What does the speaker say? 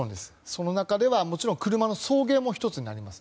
その中では車の送迎も１つになります。